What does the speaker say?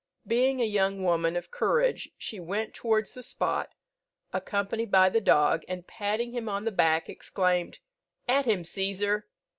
Being a young woman of courage, she went towards the spot, accompanied by the dog, and patting him on the back, exclaimed, "At him, Cæsar!"